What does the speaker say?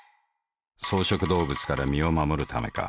草食動物から身を護るためか。